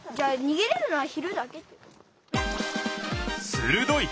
するどい！